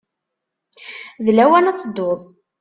D lawan ad tedduḍ.